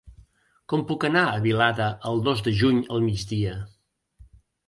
Com puc anar a Vilada el dos de juny al migdia?